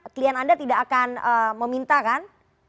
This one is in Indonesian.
klien anda tidak akan meminta kan